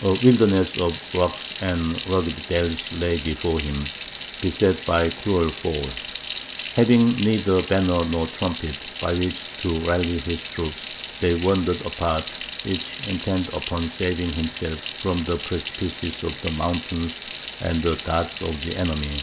A wilderness of rocks and rugged dells lay before him, beset by cruel foes. Having neither banner nor trumpet, by which to rally his troops, they wandered apart, each intent upon saving himself from the precipices of the mountains and the darts of the enemy.